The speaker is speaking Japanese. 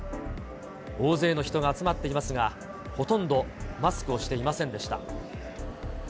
大勢の人が集まっていますが、ほとんどマスクをしていませんでした。